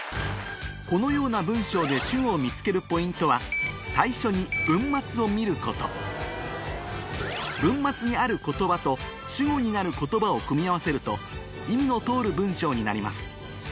このような文章で文末にある言葉と主語になる言葉を組み合わせると意味の通る文章になります